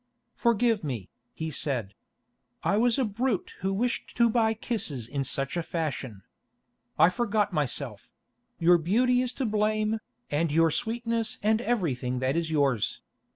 "Forgive me," he said. "I was a brute who wished to buy kisses in such a fashion. I forgot myself; your beauty is to blame, and your sweetness and everything that is yours.